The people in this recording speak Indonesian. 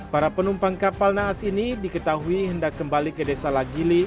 para penumpang kapal naas ini diketahui hendak kembali ke desa lagili